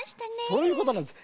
そういうことなんです。